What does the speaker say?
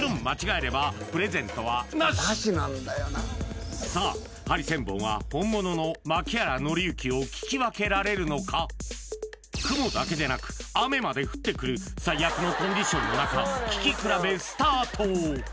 もちろんさあハリセンボンは本物の槇原敬之を聴き分けられるのか雲だけでなく雨まで降ってくる最悪のコンディションの中聴き比べスタート